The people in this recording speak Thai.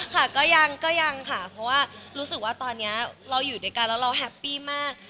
ค่ะก็ยังค่ะเพราะว่ารู้สึกว่าตอนนี้เราอยู่ด้วยกันแล้วเราแฮปปี้มาก